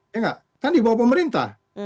ya nggak kan dibawah pemerintah